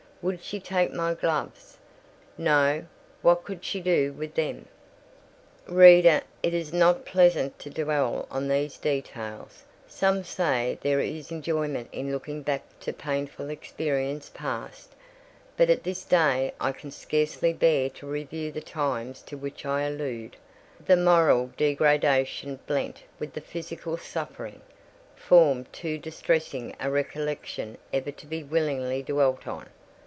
"Would she take my gloves?" "No! what could she do with them?" Reader, it is not pleasant to dwell on these details. Some say there is enjoyment in looking back to painful experience past; but at this day I can scarcely bear to review the times to which I allude: the moral degradation, blent with the physical suffering, form too distressing a recollection ever to be willingly dwelt on.